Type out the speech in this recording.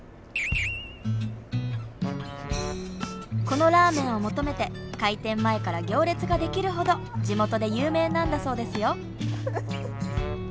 このラーメンを求めて開店前から行列ができるほど地元で有名なんだそうですよ。